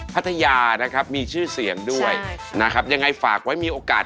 พัทยานะครับมีชื่อเสียงด้วยนะครับยังไงฝากไว้มีโอกาส